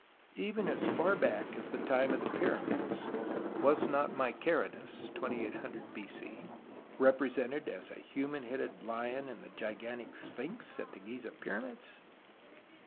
Even as far back as the time of the Pyramids was not Mykerinus (2800 n.c.) represented as a human headed lion in the gigantic Sphinx at the Giza Pyramids